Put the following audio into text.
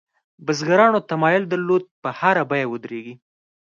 بزګرانو تمایل درلود په هره بیه ودرېږي.